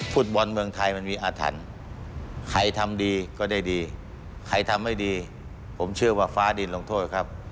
ฟุตบอลเมืองไทยมันมีอาถรรพ์ใครทำดีก็ได้ดีใครทำไม่ดีผมเชื่อว่าฟ้าดินลงโทษครับ